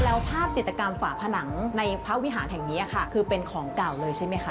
แล้วภาพจิตกรรมฝาผนังในพระวิหารแห่งนี้ค่ะคือเป็นของเก่าเลยใช่ไหมคะ